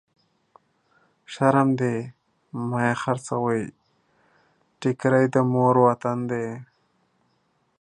شرم دی مه يې خرڅوی، ټکری د مور دی وطن.